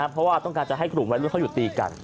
เพราะว่าต้องการจะให้กลุ่มวัยรุ่นเขาอยู่ตีกัน